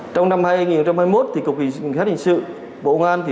trong năm hai nghìn hai mươi một thì cục hình sự bộ ngoan